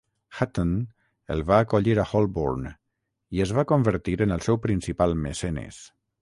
Hatton el va acollir a Holborn i es va convertir en el seu principal mecenes.